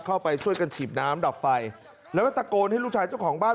เข้าไปช่วยกันฉีดน้ำดับไฟแล้วก็ตะโกนให้ลูกชายเจ้าของบ้าน